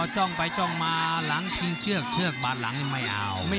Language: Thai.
ต้องไปต้องมาหลังเพียงเชือกเชือกบาหลังไม่อยาก